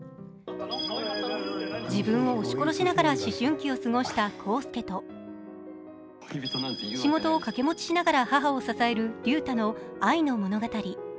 自分を押し殺しながら思春期を過ごした浩輔と仕事を掛け持ちしながら母を支える龍太の愛の物語。